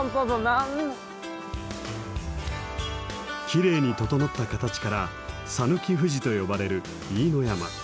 きれいに整った形から讃岐富士と呼ばれる飯野山。